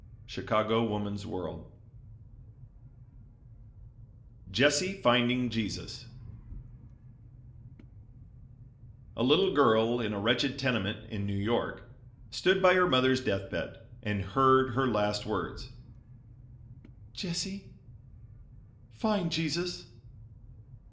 Chicago Woman's World JESSIE FINDING JESUS A little girl in a wretched tenement in New York stood by her mother's death bed, and heard her last words: "Jessie, find Jesus."